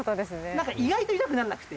なんか意外と痛くならなくて。